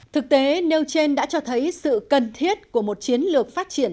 thực tế nêu trên đã cho thấy sự cần thiết của một chiến lược phát triển